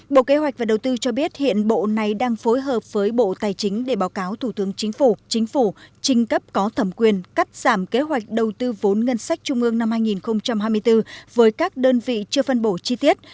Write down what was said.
bộ kế hoạch và đầu tư cho biết hiện bộ này đang phối hợp với bộ tài chính để báo cáo thủ tướng chính phủ chính phủ trinh cấp có thẩm quyền cắt giảm kế hoạch đầu tư vốn ngân sách trung ương năm hai nghìn hai mươi bốn với các đơn vị chưa phân bổ chi tiết